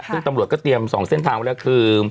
ซึ่งตำรวจก็เตรียม๒เส้นทางไว้แล้วคือ